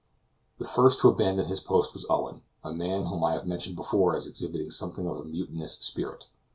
The first to abandon his post was Owen, a man whom I have mentioned before as exhibiting something of a mutinous spirit.